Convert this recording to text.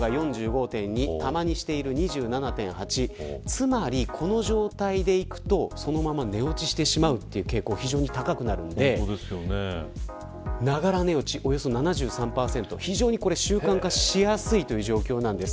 つまり、この状態でいくとそのまま寝落ちしてしまうという傾向が非常に高くなるんでながら寝落ち７３％、非常に習慣化しやすいということです。